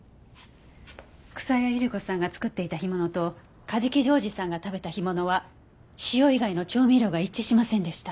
草谷ゆり子さんが作っていた干物と梶木譲士さんが食べた干物は塩以外の調味料が一致しませんでした。